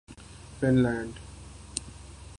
fun land